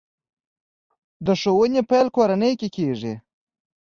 د ښوونې پیل کورنۍ کې کېږي.